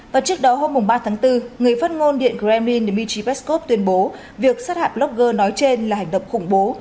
và trước đó hôm ba tháng bốn người phát ngôn điện kremlin dmitry peskov tuyên bố việc sát hạp lóc gơ nói trên là hành động khủng bố